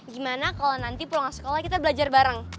gimana kalau nanti pulang sekolah kita belajar bareng